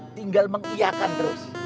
tinggal mengiyakan terus